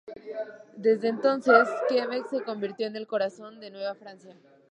Desde entonces, Quebec se convirtió en el corazón de Nueva Francia.